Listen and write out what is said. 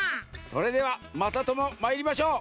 それではまさともまいりましょう。